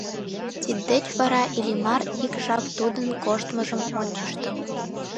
Тиддеч вара Иллимар ик жап тудын коштмыжым ончышто.